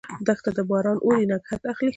دښته ده ، باران اوري، نګهت اخلي